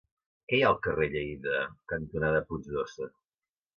Què hi ha al carrer Lleida cantonada Puig d'Óssa?